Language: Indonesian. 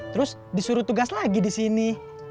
terus disuruh tugas lagi di sini